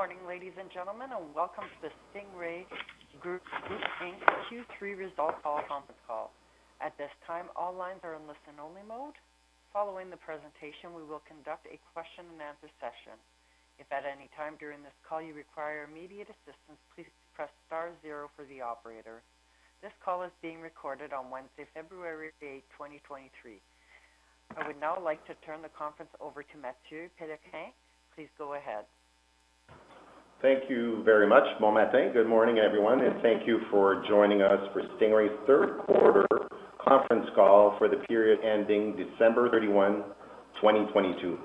Morning, ladies and gentlemen, welcome to the Stingray Group Inc. Q3 results Conference Call. At this time, all lines are in listen-only mode. Following the presentation, we will conduct a question-and-answer session. If at any time during this call you require immediate assistance, please press star 0 for the operator. This call is being recorded on Wednesday, February 8th, 2023. I would now like to turn the conference over to Mathieu Péloquin. Please go ahead. Thank you very much, Momente. Good morning, everyone, and thank you for joining us for Stingray's Q3 Conference Call for the period ending December 31, 2022.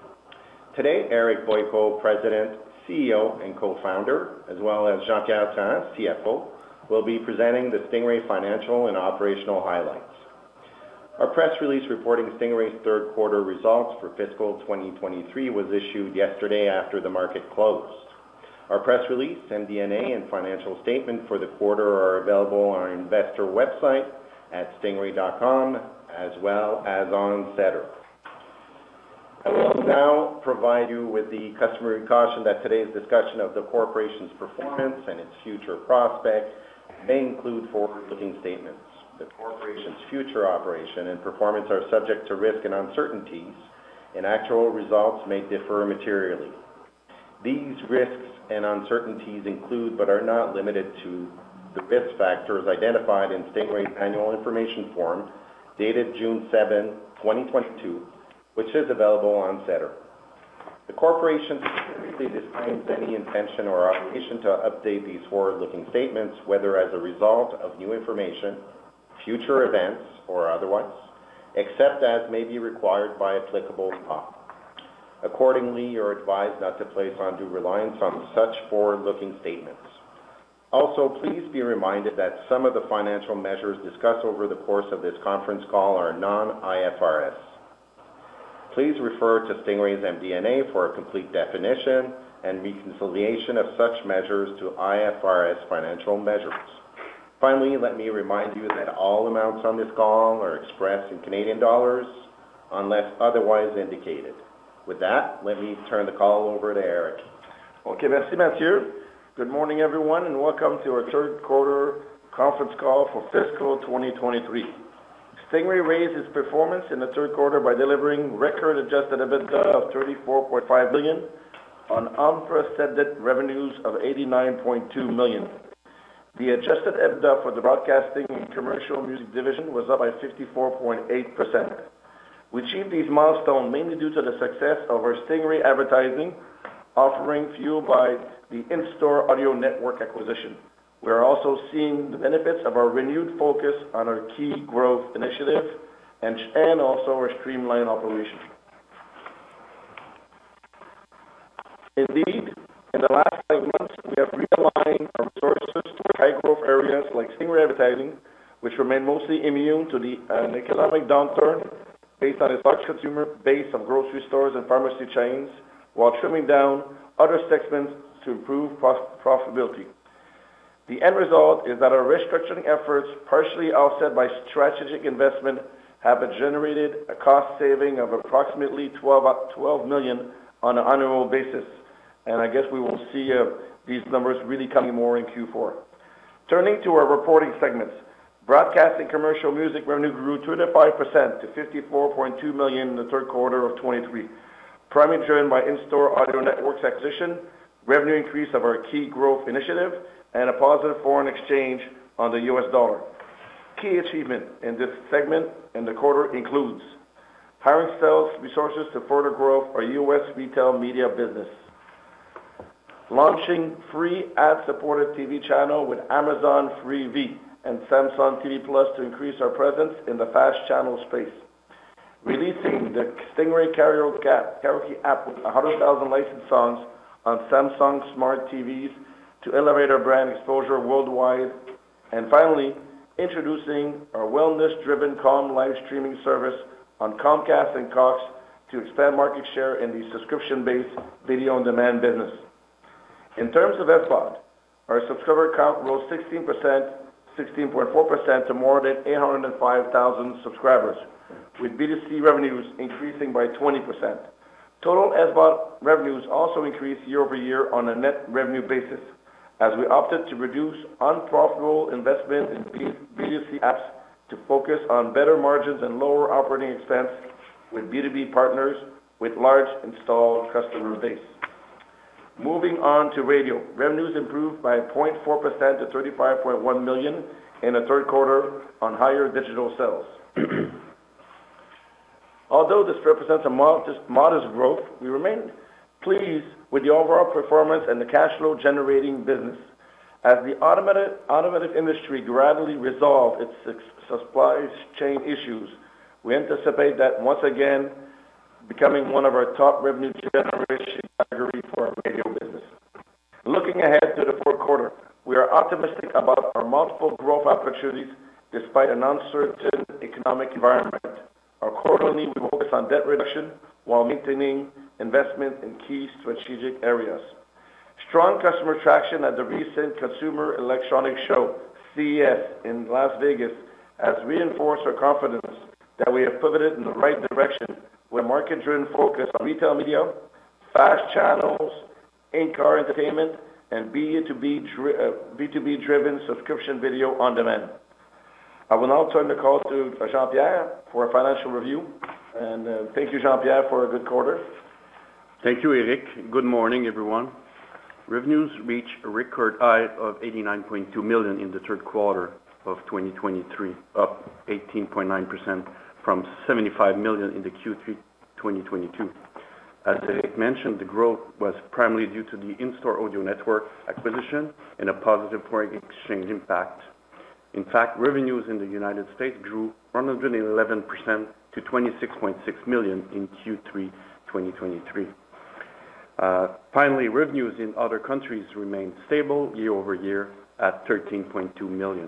Today, Eric Boyko, President, CEO, and Co-founder, as well as Jean-Pierre Trahan, CFO, will be presenting the Stingray financial and operational highlights. Our press release reporting Stingray's Q3 results for fiscal 2023 was issued yesterday after the market closed. Our press release, MD&A, and financial statement for the quarter are available on our investor website at stingray.com, as well as on SEDAR. I will now provide you with the customary caution that today's discussion of the corporation's performance and its future prospects may include forward-looking statements. The corporation's future operation and performance are subject to risks and uncertainties, and actual results may differ materially. These risks and uncertainties include, but are not limited to, the risk factors identified in Stingray's annual information form dated June 7, 2022, which is available on SEDAR. The corporation specifically disclaims any intention or obligation to update these forward-looking statements, whether as a result of new information, future events, or otherwise, except as may be required by applicable law. Accordingly, you're advised not to place undue reliance on such forward-looking statements. Please be reminded that some of the financial measures discussed over the course of this Conference Call are non-IFRS. Please refer to Stingray's MD&A for a complete definition and reconciliation of such measures to IFRS financial measures. Let me remind you that all amounts on this call are expressed in Canadian dollars unless otherwise indicated. Let me turn the call over to Eric. Okay. Merci, Mathieu. Good morning, everyone, welcome to our Q3 Conference Call for fiscal 2023. Stingray raised its performance in the Q3 by delivering record Adjusted EBITDA of 34.5 million on unprecedented revenues of 89.2 million. The Adjusted EBITDA for the broadcasting commercial music division was up by 54.8%. We achieved this milestone mainly due to the success of our Stingray Advertising offering fueled by the InStore Audio Network acquisition. We are also seeing the benefits of our renewed focus on our key growth initiative and also our streamlined operation. Indeed, in the last 5 months, we have realigned our resources to high-growth areas like Stingray Advertising, which remain mostly immune to the economic downturn based on its large consumer base of grocery stores and pharmacy chains, while trimming down other segments to improve profitability. The end result is that our restructuring efforts, partially offset by strategic investment, have generated a cost saving of approximately 12 million on an annual basis. I guess we will see these numbers really coming more in Q4. Turning to our reporting segments, broadcasting commercial music revenue grew 2.5% to 54.2 million in the Q3 of 2023, primarily driven by InStore Audio Network's acquisition, revenue increase of our key growth initiative, and a positive foreign exchange on the U.S. dollar. Key achievement in this segment in the quarter includes hiring sales resources to further grow our U.S. retail media business, launching free ad-supported TV channel with Amazon Freevee and Samsung TV Plus to increase our presence in the FAST channel space, releasing the Stingray Karaoke app with 100,000 licensed songs on Samsung Smart TVs to elevate our brand exposure worldwide. Finally, introducing our wellness-driven CalmLIFE live streaming service on Comcast and Cox to expand market share in the subscription-based video-on-demand business. In terms of SVOD, our subscriber count rose 16.4% to more than 805,000 subscribers, with B2C revenues increasing by 20%. Total SVOD revenues also increased year-over-year on a net revenue basis, as we opted to reduce unprofitable investment in B2C apps to focus on better margins and lower OpEx with B2B partners with large installed customer base. Moving on to radio, revenues improved by 0.4% to $35.1 million in the Q3 on higher digital sales. This represents a modest growth, we remain pleased with the overall performance and the cash flow-generating business. As the automotive industry gradually resolve its supply chain issues, we anticipate that once again becoming one of our top revenue-generation categories for our radio business. Looking ahead to the Q4, we are optimistic about our multiple growth opportunities despite an uncertain economic environment. Our core need to focus on debt reduction while maintaining investment in key strategic areas. Strong customer traction at the recent Consumer Electronics Show, CES, in Las Vegas, has reinforced our confidence that we have pivoted in the right direction. With market-driven focus on retail media, FAST channels, in-car entertainment, and B2B-driven subscription video on demand. I will now turn the call to Jean-Pierre for a financial review, and, thank you, Jean-Pierre, for a good quarter. Thank you, Eric. Good morning, everyone. Revenues reached a record high of $89.2 million in the Q3 of 2023, up 18.9% from $75 million in Q3 2022. As Eric mentioned, the growth was primarily due to the InStore Audio Network acquisition and a positive foreign exchange impact. In fact, revenues in the United States grew 111% to $26.6 million in Q3 2023. Finally, revenues in other countries remained stable year-over-year at $13.2 million.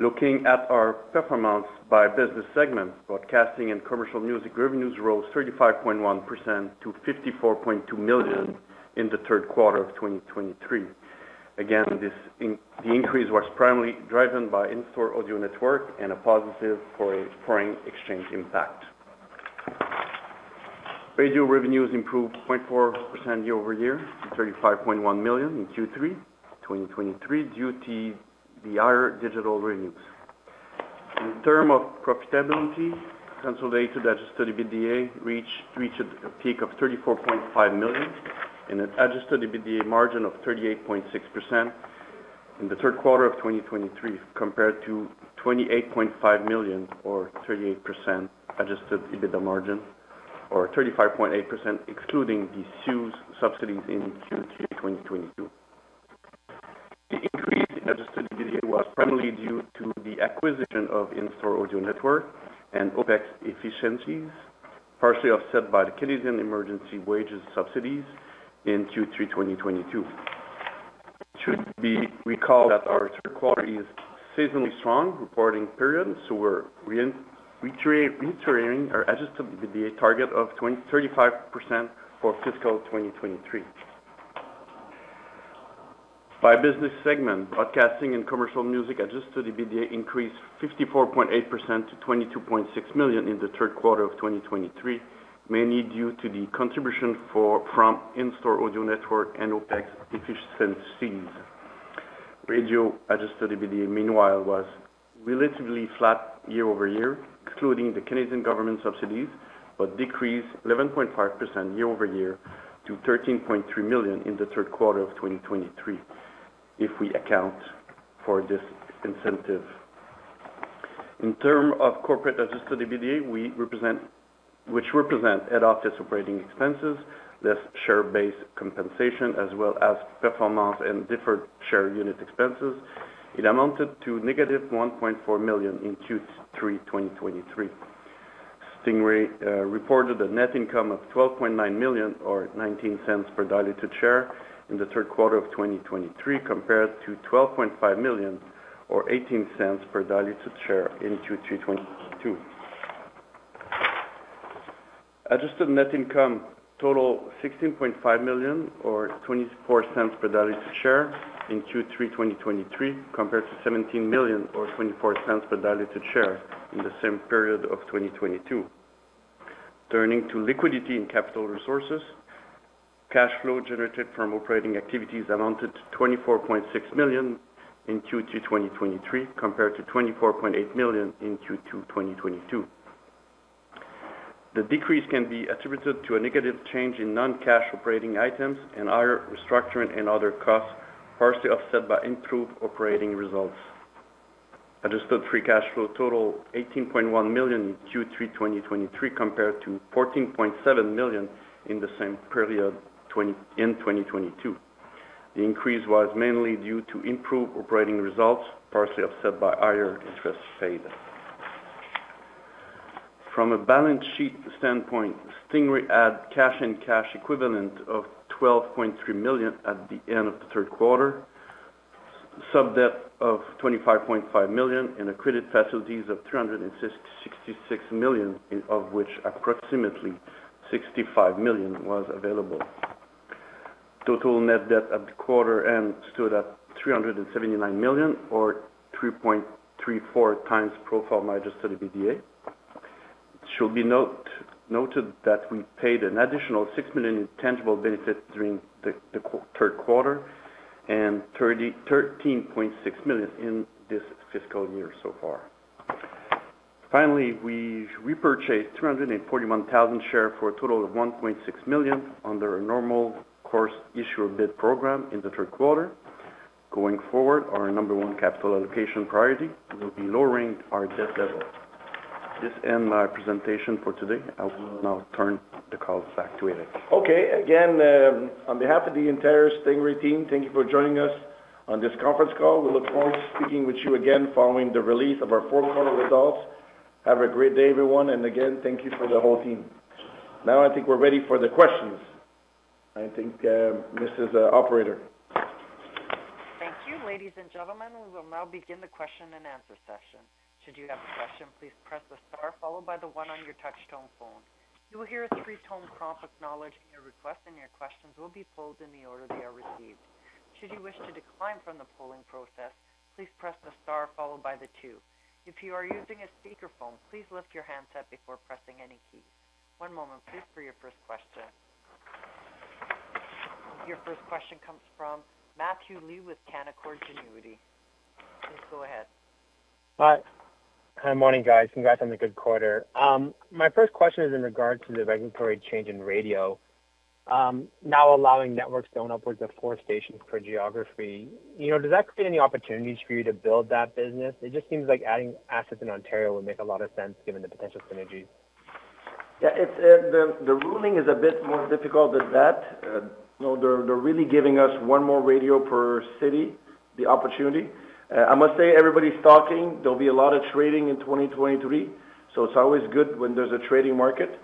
Looking at our performance by business segment, broadcasting and commercial music revenues rose 35.1% to $54.2 million in the Q3 of 2023. Again, this increase was primarily driven by InStore Audio Network and a positive foreign exchange impact. Radio revenues improved 0.4% year-over-year to 35.1 million in Q3 2023 due to the higher digital revenues. In term of profitability, consolidated Adjusted EBITDA reached a peak of 34.5 million and an Adjusted EBITDA margin of 38.6% in the Q3 of 2023, compared to 28.5 million or 38% Adjusted EBITDA margin, or 35.8% excluding the CEWS subsidies in Q3 2022. The increase in Adjusted EBITDA was primarily due to the acquisition of InStore Audio Network and OpEx efficiencies, partially offset by the Canada Emergency Wage Subsidy in Q3 2022. Should be recall that our Q3 is seasonally strong reporting period, so we're reiterating our Adjusted EBITDA target of 35% for fiscal 2023. By business segment, broadcasting and commercial music Adjusted EBITDA increased 54.8% to 22.6 million in the Q3 of 2023, mainly due to the contribution from InStore Audio Network and OpEx efficiencies. Radio Adjusted EBITDA, meanwhile, was relatively flat year-over-year, excluding the Canadian government subsidies, but decreased 11.5% year-over-year to 13.3 million in the Q3 of 2023 if we account for this incentive. In terms of corporate Adjusted EBITDA, which represent head office operating expenses, less share-based compensation, as well as performance and deferred share unit expenses, it amounted to -1.4 million in Q3 2023. Stingray reported a net income of 12.9 million or 0.19 per diluted share in Q3 2023, compared to 12.5 million or 0.18 per diluted share in Q3 2022. Adjusted net income total 16.5 million or 0.24 per diluted share in Q3 2023, compared to 17 million or 0.24 per diluted share in the same period of 2022. Turning to liquidity and capital resources, cash flow generated from operating activities amounted to 24.6 million in Q3 2023, compared to 24.8 million in Q2 2022. The decrease can be attributed to a negative change in non-cash operating items and higher restructuring and other costs, partially offset by improved operating results. Adjusted free cash flow total 18.1 million in Q3 2023, compared to 14.7 million in the same period in 2022. The increase was mainly due to improved operating results, partially offset by higher interest paid. From a balance sheet standpoint, Stingray had cash and cash equivalent of 12.3 million at the end of the Q3, sub-debt of 25.5 million, accredited facilities of 366 million, in of which approximately 65 million was available. Total net debt at the quarter end stood at 379 million or 3.34 times profile-adjusted EBITDA. It should be noted that we paid an additional 6 million in tangible benefits during the Q3 and 13.6 million in this fiscal year so far. Finally, we repurchased 341,000 share for a total of 1.6 million under a normal course issuer bid program in the Q3. Going forward, our number one capital allocation priority will be lowering our debt level. This end my presentation for today. I will now turn the call back to Eric. Okay. Again, on behalf of the entire Stingray team, thank you for joining us on this Conference Call. We look forward to speaking with you again following the release of our Q4 results. Have a great day, everyone, and again, thank you for the whole team. I think we're ready for the questions. I think, this is, operator. Thank you. Ladies and gentlemen, we will now begin the question-and-answer session. Should you have a question, please press the star followed by the 1 on your touch-tone phone. You will hear a 3-tone prompt acknowledging your request, and your questions will be pulled in the order they are received. Should you wish to decline from the polling process, please press the star followed by the 2. If you are using a speakerphone, please lift your handset before pressing any keys. 1 moment please, for your first question. Your first question comes from Matthew Lee with Canaccord Genuity. Please go ahead. Hi. Hi, morning guys. Congrats on the good quarter. My first question is in regard to the regulatory change in radio, now allowing networks going upwards of four stations per geography. You know, does that create any opportunities for you to build that business? It just seems like adding assets in Ontario would make a lot of sense given the potential synergies. Yeah, it's, the ruling is a bit more difficult than that. You know, they're really giving us one more radio per city, the opportunity. I must say everybody's talking. There'll be a lot of trading in 2023. It's always good when there's a trading market.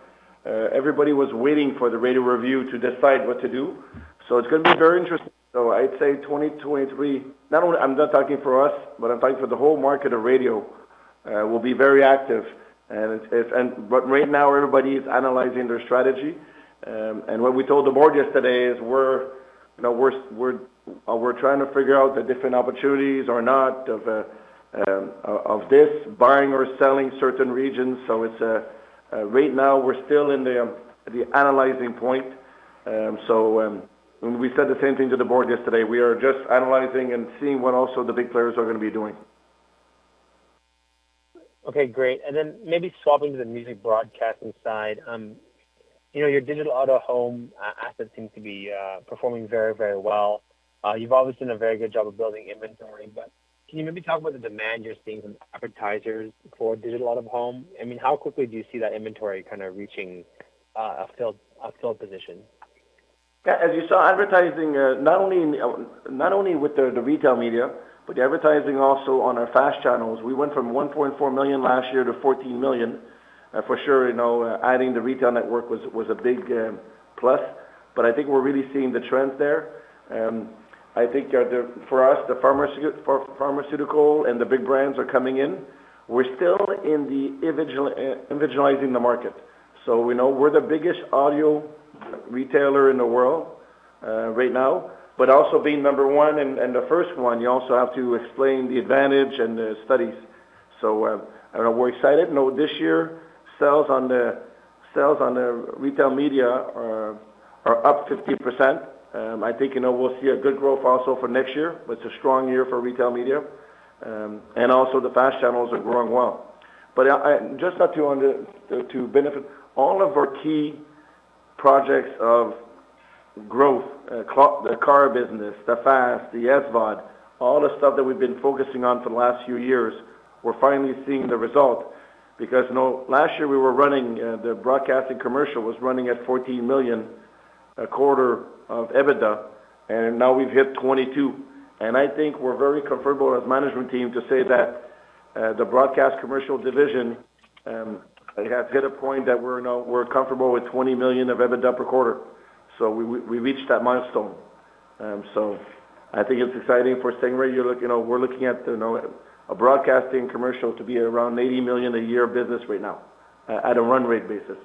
Everybody was waiting for the radio review to decide what to do. It's gonna be very interesting. I'd say 2023, I'm not talking for us, but I'm talking for the whole market of radio, will be very active. Right now everybody is analyzing their strategy. What we told the board yesterday is we're, you know, we're trying to figure out the different opportunities or not of this buying or selling certain regions. It's right now we're still in the analyzing point. We said the same thing to the board yesterday. We are just analyzing and seeing what also the big players are gonna be doing. Okay, great. Maybe swapping to the music broadcasting side. you know, your digital out-of-home assets seem to be performing very, very well. you've obviously done a very good job of building inventory, but can you maybe talk about the demand you're seeing from advertisers for digital out-of-home? I mean, how quickly do you see that inventory kind of reaching a filled position? Yeah, as you saw, advertising, not only with the retail media, but the advertising also on our FAST channels. We went from 1.4 million last year to 14 million. For sure, you know, adding the retail network was a big plus. I think we're really seeing the trends there. I think for us, the pharmaceutical and the big brands are coming in. We're still in the evangelizing the market. We know we're the biggest audio retailer in the world right now, but also being number one and the first one, you also have to explain the advantage and the studies. We're excited. You know, this year, sales on the retail media are up 50%. I think, you know, we'll see a good growth also for next year. It's a strong year for retail media. Also the FAST channels are growing well. Just a few on the, to benefit all of our key projects of growth, the car business, the FAST, the SVOD, all the stuff that we've been focusing on for the last few years, we're finally seeing the result. You know, last year we were running, the broadcasting commercial was running at 14 million a quarter of EBITDA, and now we've hit 22 million. I think we're very comfortable as management team to say that the broadcast commercial division has hit a point that we're now, we're comfortable with 20 million of EBITDA per quarter. We reached that milestone. I think it's exciting for Stingray. You know, we're looking at, you know, a broadcasting commercial to be around 80 million a year business right now, at a run rate basis.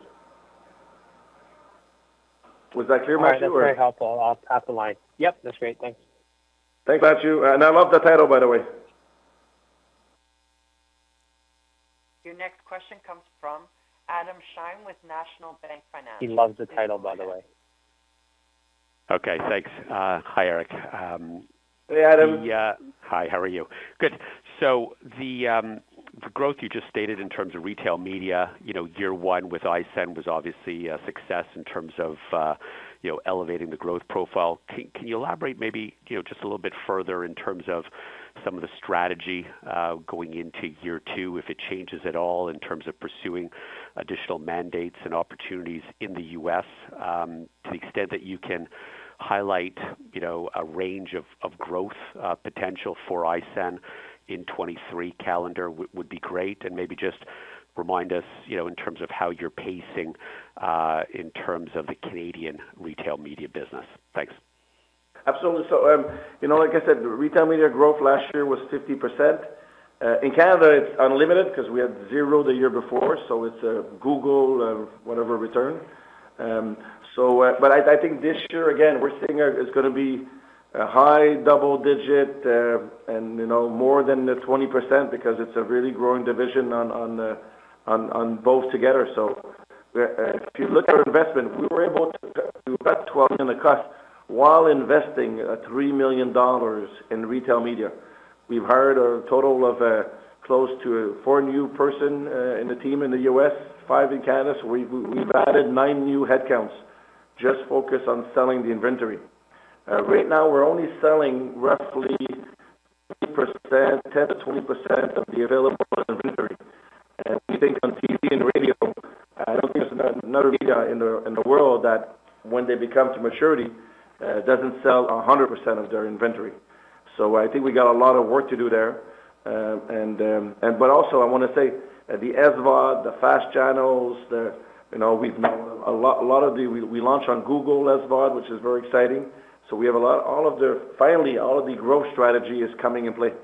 Was that clear, Matthew? All right. That's very helpful. I'll pass the line. Yep, that's great. Thanks. Thanks, Matthew. I love the title, by the way. Your next question comes from Adam Shine with National Bank Financial. He loves the title, by the way. Please go ahead. Okay, thanks. Hi, Eric. Hey, Adam. Hi, how are you? Good. The growth you just stated in terms of retail media, you know, year one with ISAN was obviously a success in terms of, you know, elevating the growth profile. Can you elaborate maybe, you know, just a little bit further in terms of some of the strategy going into year two, if it changes at all in terms of pursuing additional mandates and opportunities in the U.S., to the extent that you can highlight, you know, a range of growth potential for ISAN in 2023 calendar would be great? Maybe just remind us, you know, in terms of how you're pacing in terms of the Canadian retail media business. Thanks. Absolutely. You know, like I said, the retail media growth last year was 50%. In Canada, it's unlimited 'cause we had 0 the year before, it's a Google, whatever return. I think this year again, we're seeing it's gonna be a high double digit, and, you know, more than the 20% because it's a really growing division on both together. If you look at investment, we cut 12 million a cost while investing 3 million dollars in retail media. We've hired a total of close to 4 new person in the team in the U.S., 5 in Canada. We've added 9 new headcounts, just focused on selling the inventory. Right now we're only selling roughly 8%, 10%-20% of the available inventory. I think on TV and radio, I don't think there's another media in the world that when they become to maturity, doesn't sell 100% of their inventory. I think we got a lot of work to do there. Also I wanna say the SVOD, the FAST channels, you know, we've now a lot of the... We launch on Google SVOD, which is very exciting. We have a lot, finally, all of the growth strategy is coming in play. Do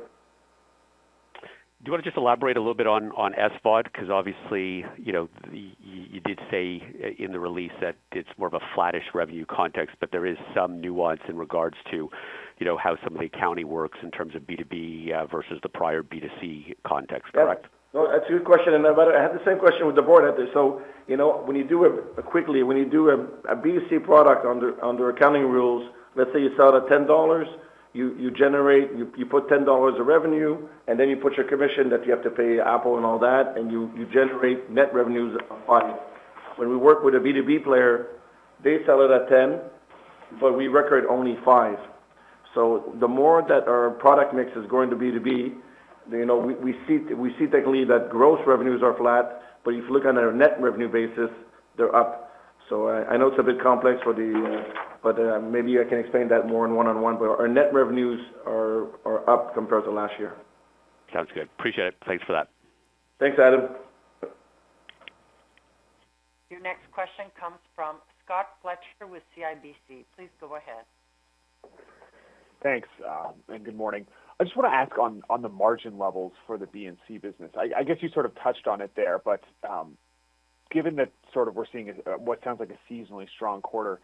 you wanna just elaborate a little bit on SVOD? 'Cause obviously, you know, you did say in the release that it's more of a flattish revenue context, but there is some nuance in regards to, you know, how some of the county works in terms of B2B versus the prior B2C context. Correct? Yeah. That's a good question, I had the same question with the board out there. You know, quickly, when you do a B2C product under accounting rules, let's say you sell at CAD 10, you generate, you put 10 dollars of revenue, and then you put your commission that you have to pay Apple and all that, and you generate net revenues of 5. When we work with a B2B player, they sell it at 10, we record only 5. The more that our product mix is going to B2B, you know, we see technically that gross revenues are flat, if you look under a net revenue basis, they're up. I know it's a bit complex for the, but, maybe I can explain that more in one-on-one, but our net revenues are up compared to last year. Sounds good. Appreciate it. Thanks for that. Thanks, Adam. Your next question comes from Scott Fletcher with CIBC. Please go ahead. Thanks. Good morning. I just wanna ask on the margin levels for the B&C business. I guess you sort of touched on it there, but given that sort of we're seeing what sounds like a seasonally strong quarter,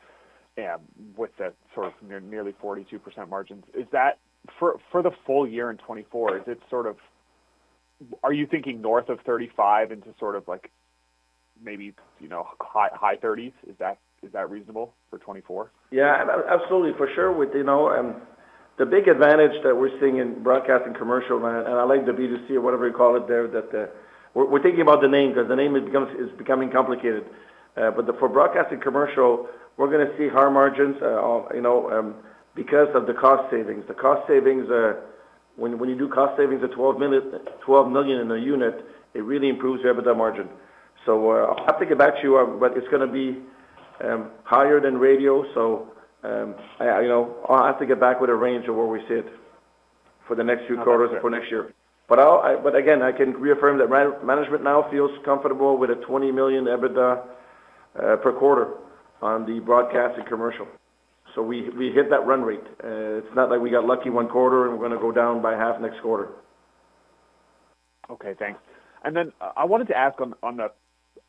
with that sort of nearly 42% margins, is that for the full-year in 2024? Are you thinking north of 35 into sort of like maybe, you know, high 30s? Is that reasonable for 2024? Yeah, absolutely, for sure. With, you know, the big advantage that we're seeing in broadcast and commercial, and I, and I like the B2C or whatever you call it there, that we're thinking about the name because the name is becoming complicated. For broadcast and commercial, we're gonna see higher margins, you know, because of the cost savings. The cost savings are when you do cost savings at 12 million, 12 million in a unit, it really improves EBITDA margin. I'll have to get back to you on, but it's gonna be higher than radio. I, you know, I'll have to get back with a range of where we sit for the next few quarters for next year. Okay. Again, I can reaffirm that man-management now feels comfortable with a 20 million EBITDA per quarter on the broadcast and commercial. We hit that run rate. It's not like we got lucky one quarter, and we're gonna go down by half next quarter. Okay, thanks. I wanted to ask on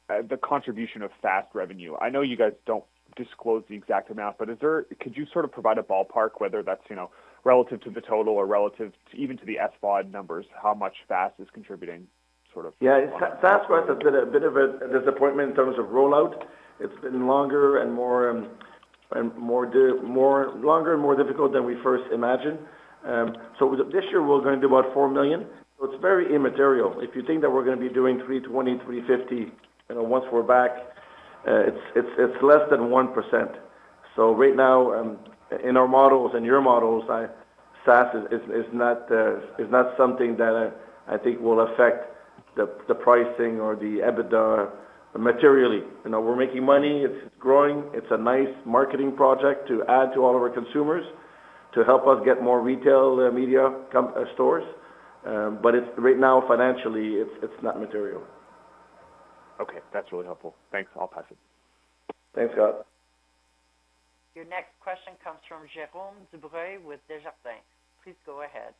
the contribution of FAST revenue. I know you guys don't disclose the exact amount, but could you sort of provide a ballpark whether that's, you know, relative to the total or relative to even to the SVOD numbers, how much FAST is contributing, sort of? FAST was a bit of a disappointment in terms of rollout. It's been longer and more difficult than we first imagined. This year, we're gonna do about $4 million. It's very immaterial. If you think that we're gonna be doing $320, $350, you know, once we're back, it's less than 1%. Right now, in our models and your models, FAST is not the, is not something that I think will affect the pricing or the EBITDA materially. You know, we're making money, it's growing. It's a nice marketing project to add to all of our consumers to help us get more retail media stores. It's right now, financially, it's not material. Okay, that's really helpful. Thanks. I'll pass it. Thanks, Scott. Your next question comes from Jerome Dubreuil with Desjardins. Please go ahead.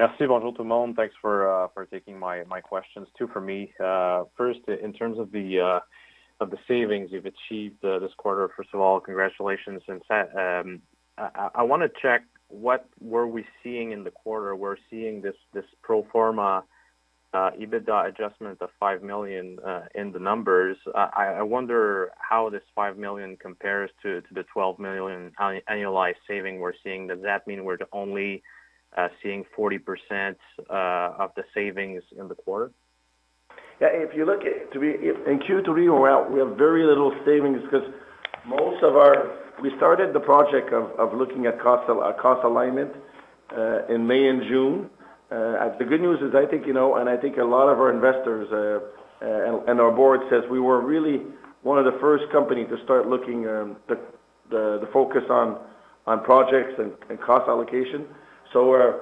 Merci. Bonjour tout le monde. Thanks for taking my questions. Two for me. First, in terms of the savings you've achieved this quarter, first of all, congratulations. Since that, I wanna check what were we seeing in the quarter. We're seeing this pro forma EBITDA adjustment of 5 million in the numbers. I wonder how this 5 million compares to the 12 million annualized saving we're seeing. Does that mean we're only seeing 40% of the savings in the quarter? Yeah, if you look at, if in Q3 we're out, we have very little savings 'cause most of our. We started the project of looking at cost our cost alignment in May and June. The good news is, I think, you know, and I think a lot of our investors and our board says we were really one of the first company to start looking, the focus on projects and cost allocation. We're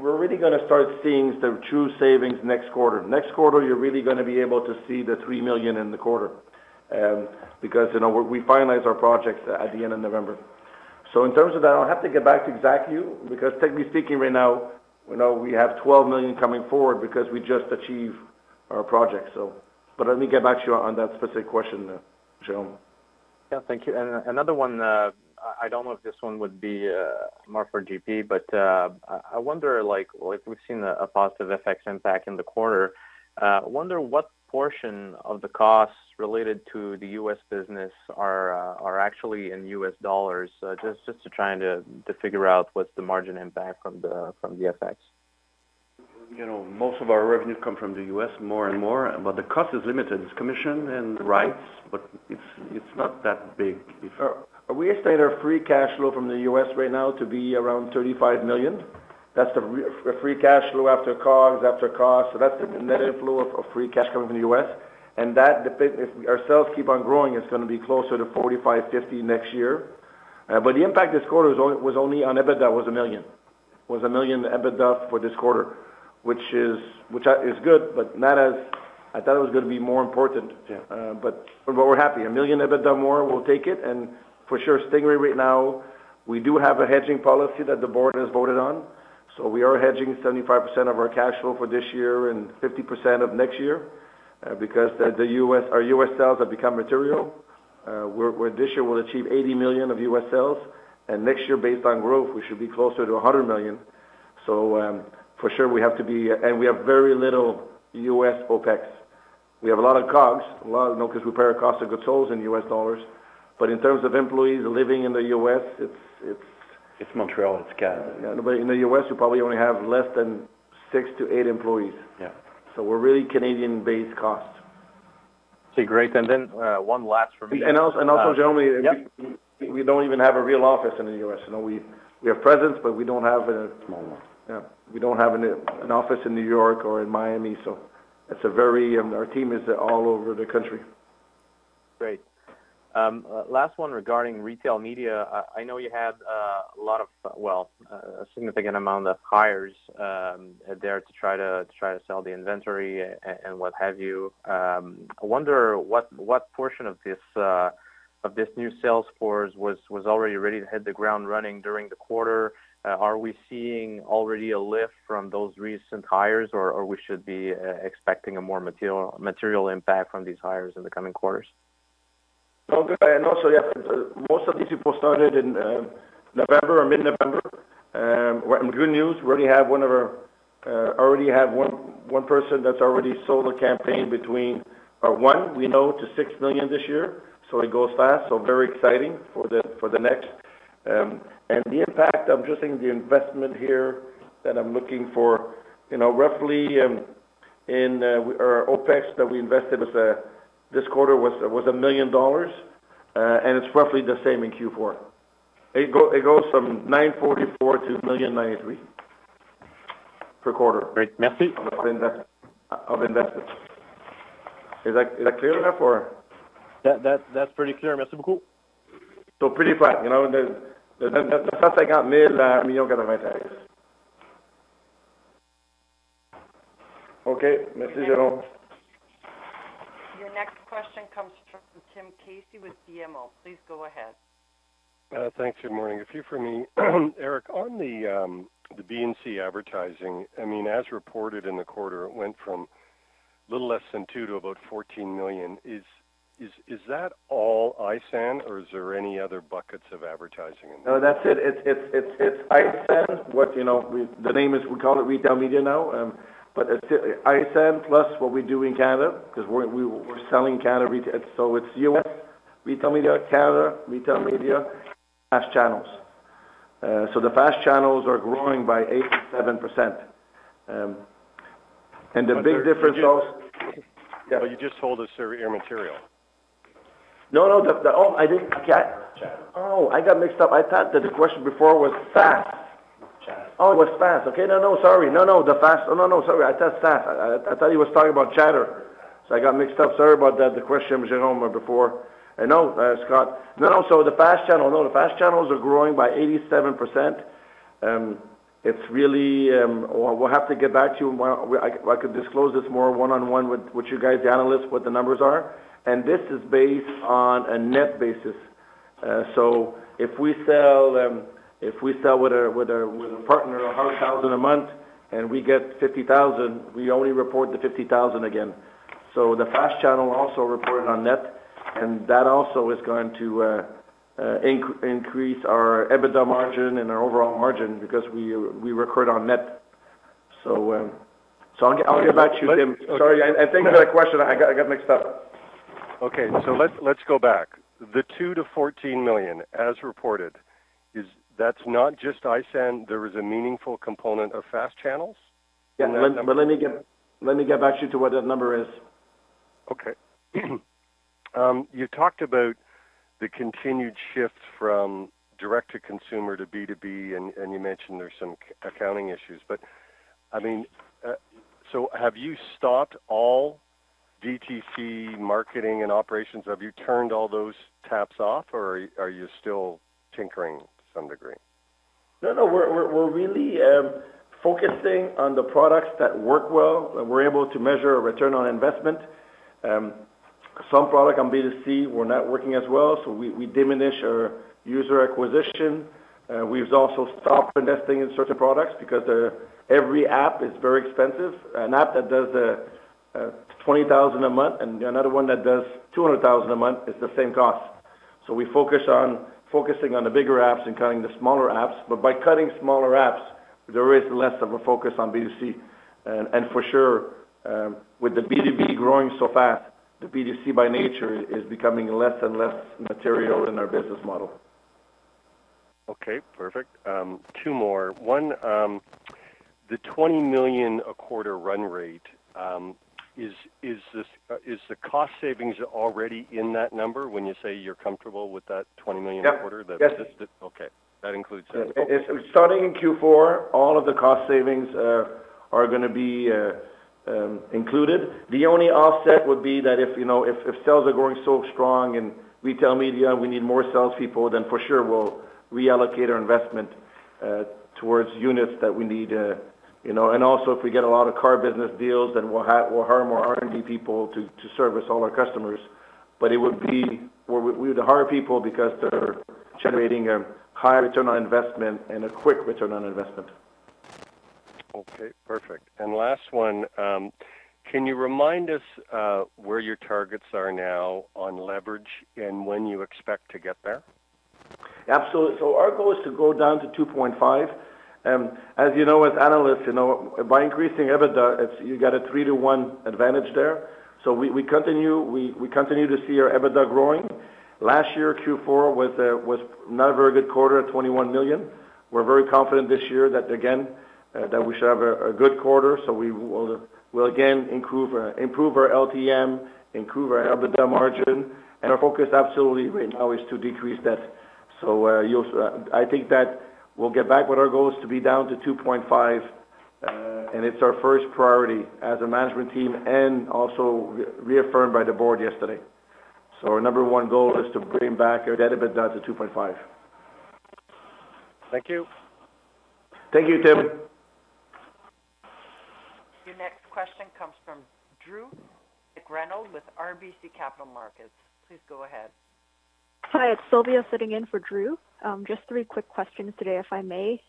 really gonna start seeing some true savings next quarter. Next quarter, you're really gonna be able to see the $3 million in the quarter, because, you know, we finalize our projects at the end of November. In terms of that, I'll have to get back to exact you, because technically speaking, right now, you know, we have $12 million coming forward because we just achieved our project so. Let me get back to you on that specific question, Jerome. Yeah. Thank you. Another one, I don't know if this one would be more for GP, but I wonder, like, if we've seen a positive effect impact in the quarter, I wonder what portion of the costs related to the U.S. business are actually in U.S. dollars, just to try to figure out what's the margin impact from the FX. You know, most of our revenues come from the U.S. more and more, but the cost is limited. It's commission and rights, but it's not that big. We estimate our free cash flow from the U.S. right now to be around $35 million. That's the free cash flow after cars. That's the net inflow of free cash coming from the U.S. If ourselves keep on growing, it's gonna be closer to $45 million-$50 million next year. The impact this quarter was only on EBITDA was $1 million. $1 million EBITDA for this quarter, which is good, but not as. I thought it was gonna be more important. Yeah. But we're happy. 1 million EBITDA more, we'll take it. For sure, Stingray right now, we do have a hedging policy that the board has voted on. We are hedging 75% of our cash flow for this year and 50% of next year, because our U.S. sales have become material, where this year we'll achieve $80 million of U.S. sales. Next year, based on growth, we should be closer to $100 million. For sure we have to be. We have very little U.S. OpEx. We have a lot of COGS, a lot of, you know, 'cause we pay our cost of goods sold in U.S. dollars. In terms of employees living in the U.S., it's. It's Montreal, it's Canada. Yeah. In the U.S., we probably only have less than 6-8 employees. Yeah. We're really Canadian-based costs. Okay, great. One last from me- Also generally. Yeah. We don't even have a real office in the U.S. You know, we have presence, but we don't have. Small one. Yeah. We don't have an office in New York or in Miami. Our team is all over the country. Great. Last one regarding retail media. I know you had a lot of, well, a significant amount of hires there to try to sell the inventory and what have you. I wonder what portion of this new sales force was already ready to hit the ground running during the quarter. Are we seeing already a lift from those recent hires, or we should be expecting a more material impact from these hires in the coming quarters? No. Also, yeah, most of these people started in November or mid-November. Good news, we already have one of our already have one person that's already sold a campaign between one, you know, to 6 million this year. It goes fast, so very exciting for the next. The impact, I'm just saying the investment here that I'm looking for, you know, roughly, in our OpEx that we invested this quarter was 1 million dollars. It's roughly the same in Q4. It goes from 0.944 million to 1.093 million per quarter. Great. Merci. Of investments. Is that clear enough or? That's pretty clear. Merci beaucoup. Pretty flat, you know. The CAD 940,000, million. Okay. Merci, Jerome. Your next question comes from Tim Casey with BMO. Please go ahead. Thanks. Good morning. A few from me. Eric, on the B&C advertising, I mean, as reported in the quarter, it went from little less than 2 to about 14 million. Is that all ISAN or is there any other buckets of advertising in there? No, that's it. It's ISAN. What, you know, the name is, we call it Retail Media now. It's ISAN plus what we do in Canada 'cause we're selling Canada so it's U.S. Retail Media, Canada Retail Media, FAST channels. The FAST channels are growing by 87%. The big difference also. But you just- Yeah. You just told us they were immaterial. No. Oh, Okay. Chatter. Oh, I got mixed up. I thought that the question before was FAST. Chatter. It was FAST. Okay. No, no. Sorry. No. Sorry. I thought FAST. I thought he was talking about Chatter. I got mixed up. Sorry about that. The question was, you know, before. No, Scott. No. The FAST channel. No, the FAST channels are growing by 87%. It's really. Well, we'll have to get back to you when I could disclose this more one-on-one with you guys, the analysts, what the numbers are. This is based on a net basis. If we sell with a partner 100,000 a month and we get 50,000, we only report the 50,000 again. The FAST channel also reported on net. That also is going to increase our EBITDA margin and our overall margin because we record on net. I'll get back to you, Tim. Okay. Sorry. Thanks for that question. I got mixed up. Okay. Let's go back. The 2 million-14 million as reported, that's not just ISAN, there is a meaningful component of FAST channels in that number? Yeah. Let me get back to you to what that number is. Okay. You talked about the continued shifts from direct-to-consumer to B2B, and you mentioned there's some accounting issues. I mean, have you stopped all DTC marketing and operations? Have you turned all those taps off, or are you still tinkering to some degree? No, no. We're really focusing on the products that work well, and we're able to measure a return on investment. Some product on B2C were not working as well, we diminish our user acquisition. We've also stopped investing in certain products because every app is very expensive. An app that does 20,000 a month and another one that does 200,000 a month is the same cost. We focus on focusing on the bigger apps and cutting the smaller apps. By cutting smaller apps, there is less of a focus on B2C. For sure, with the B2B growing so fast, the B2C by nature is becoming less and less material in our business model. Okay, perfect. Two more. One, the 20 million a quarter run rate, is the cost savings already in that number when you say you're comfortable with that 20 million a quarter? Yeah. Yes. Okay. That includes savings. It's starting in Q4, all of the cost savings are gonna be included. The only offset would be that if, you know, if sales are growing so strong in retail media and we need more salespeople, then for sure we'll reallocate our investment towards units that we need, you know. Also if we get a lot of car business deals, then we'll hire more R&D people to service all our customers. It would be where we would hire people because they're generating a high return on investment and a quick return on investment. Okay, perfect. Last one, can you remind us where your targets are now on leverage and when you expect to get there? Absolutely. Our goal is to go down to 2.5. As you know, as analysts, you know, by increasing EBITDA, you got a 3-to-1 advantage there. We continue to see our EBITDA growing. Last year, Q4 was not a very good quarter at 21 million. We're very confident this year that again, that we should have a good quarter. We will again improve our LTM, improve our EBITDA margin, and our focus absolutely right now is to decrease debt. I think that we'll get back with our goals to be down to 2.5, and it's our first priority as a management team and also reaffirmed by the board yesterday. Our number one goal is to bring back our net EBITDA to 2.5. Thank you. Thank you, Tim. Your next question comes from Drew McReynolds with RBC Capital Markets. Please go ahead. Hi, it's Sylvia sitting in for Drew. Just three quick questions today, if I may.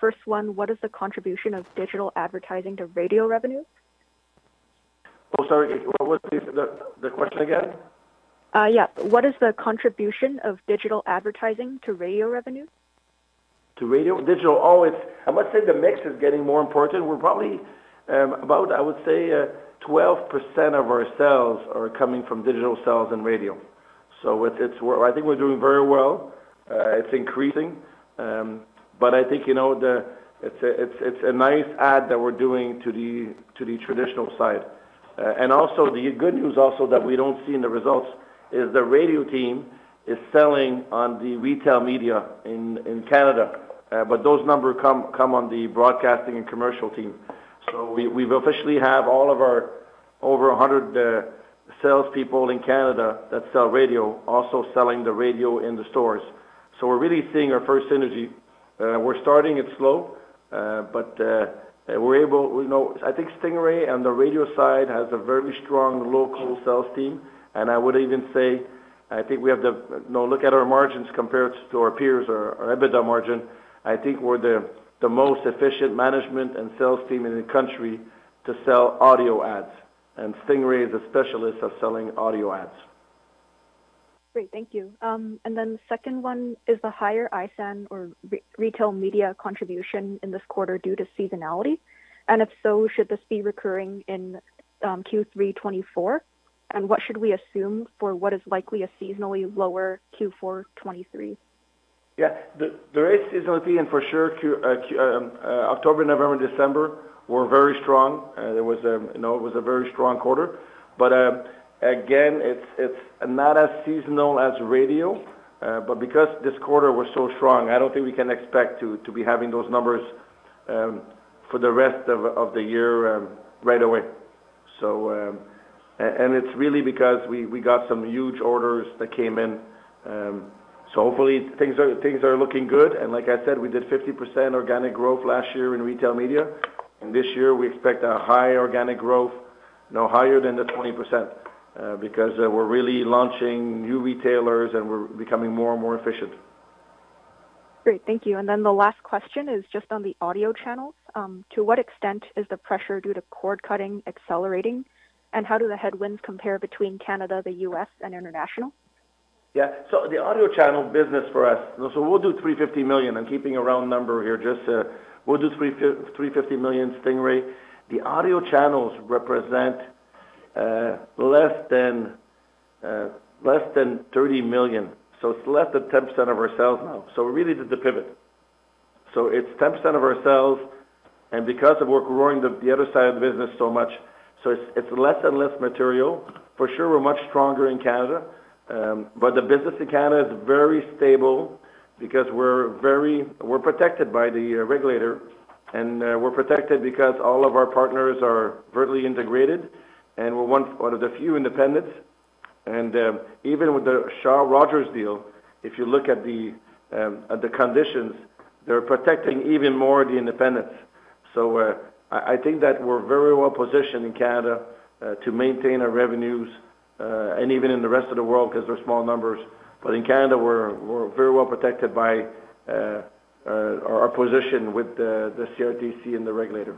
First one, what is the contribution of digital advertising to radio revenue? Oh, sorry. What was the question again? yeah. What is the contribution of digital advertising to radio revenue? To radio? Digital, always... I must say the mix is getting more important. We're probably about, I would say, 12% of our sales are coming from digital sales and radio. I think we're doing very well. It's increasing. I think, you know, it's a nice ad that we're doing to the traditional side. Also, the good news also that we don't see in the results is the radio team is selling on the retail media in Canada, those numbers come on the broadcasting and commercial team. We've officially have all of our over 100 salespeople in Canada that sell radio, also selling the radio in the stores. We're really seeing our first synergy. We're starting it slow, we're able, you know... I think Stingray on the radio side has a very strong local sales team. I would even say, I think we have. You know, look at our margins compared to our peers or our EBITDA margin. I think we're the most efficient management and sales team in the country to sell audio ads, and Stingray is a specialist of selling audio ads. Great. Thank you. Second one, is the higher ISAN or retail media contribution in this quarter due to seasonality? If so, should this be recurring in Q3 2024? What should we assume for what is likely a seasonally lower Q4 2023? Yeah. There is seasonality and for sure October, November, December were very strong. There was, you know, it was a very strong quarter. Again, it's not as seasonal as radio, but because this quarter was so strong, I don't think we can expect to be having those numbers for the rest of the year right away. And it's really because we got some huge orders that came in. Hopefully things are looking good. Like I said, we did 50% organic growth last year in retail media. This year we expect a higher organic growth, you know, higher than the 20%, because we're really launching new retailers and we're becoming more and more efficient. Great. Thank you. The last question is just on the audio channels. To what extent is the pressure due to cord-cutting accelerating? How do the headwinds compare between Canada, the U.S., and international? Yeah. The audio channel business for us, so we'll do 350 million. I'm keeping a round number here. Just, we'll do 350 million Stingray. The audio channels represent less than 30 million. It's less than 10% of our sales now. Really, it is the pivot. It's 10% of our sales. Because we're growing the other side of the business so much, it's less and less material. For sure, we're much stronger in Canada. The business in Canada is very stable because we're protected by the regulator, and we're protected because all of our partners are vertically integrated, and we're one of the few independents. Even with the Rogers-Shaw deal, if you look at the conditions, they're protecting even more the independents. I think that we're very well positioned in Canada to maintain our revenues and even in the rest of the world 'cause they're small numbers. In Canada, we're very well protected by our position with the CRTC and the regulator.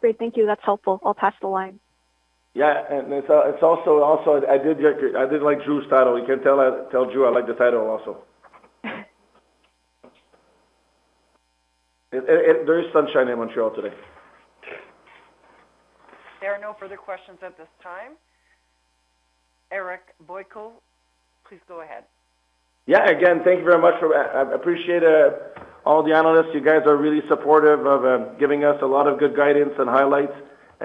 Great. Thank you. That's helpful. I'll pass the line. Yeah. It's also I did like Drew's title. You can tell Drew I like the title also. There is sunshine in Montreal today. There are no further questions at this time. Eric Boyko, please go ahead. Yeah. Again, thank you very much for that. I appreciate all the analysts. You guys are really supportive of giving us a lot of good guidance and highlights.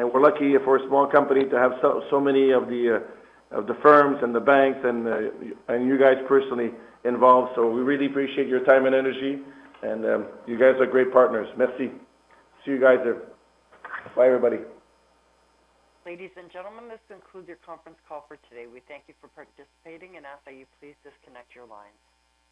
We're lucky for a small company to have so many of the firms and the banks and you guys personally involved. We really appreciate your time and energy. You guys are great partners. Merci. See you guys there. Bye, everybody. Ladies and gentlemen, this concludes your call for today. We thank you for participating and ask that you please disconnect your lines.